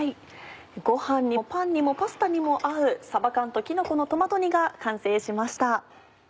ご飯にもパンにもパスタにも合う「さば缶ときのこのトマト煮」が完成しました。